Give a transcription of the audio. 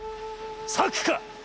策か。